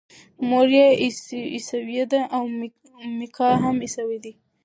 مور یې عیسویه ده او میکا هم عیسوی دی.